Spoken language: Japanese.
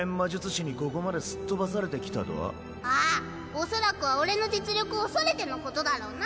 おそらくは俺の実力を恐れてのことだろうな。